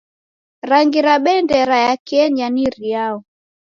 Rangi ra bendera ya Kenya ni riao?